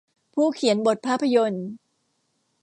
ผู้เขียนบทภาพยนตร์